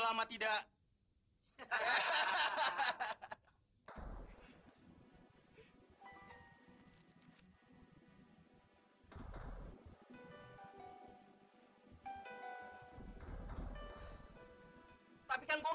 kami hanya menjalankan apa yang lo odol